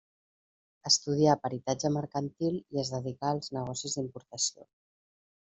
Estudià peritatge mercantil i es dedicà als negocis d'importació.